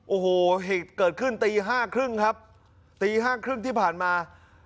โอ้โหเหตุเกิดขึ้นตีห้าครึ่งครับตีห้าครึ่งที่ผ่านมา